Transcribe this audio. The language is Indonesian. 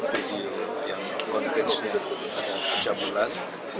video yang konteksnya ada sejak bulan